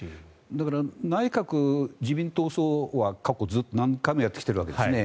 だから、内閣・自民党葬は過去、何回もやってきているわけですね。